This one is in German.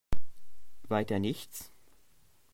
Weiter nichts?